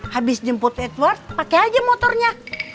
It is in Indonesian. habis jemput edward pakai aja motornya